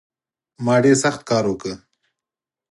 ما ډېر سخت کار وکړ